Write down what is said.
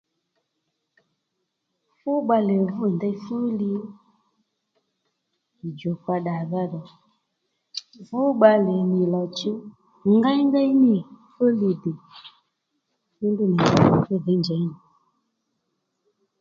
Fú bbalè vû ndey fúli ì djùkpa ddàdha dhò fú bbalè nì lò chǔw ngéyngéy ní nì fúli dè fú ndrǔ nì ì nà fú dhǐy njěy nì